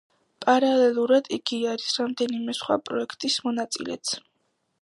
პარალელურად იგი არის რამდენიმე სხვა პროექტის მონაწილეც.